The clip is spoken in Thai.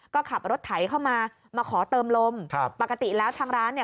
ก็ขับรถไถเข้ามามาขอเติมลมครับปกติแล้วทางร้านเนี่ย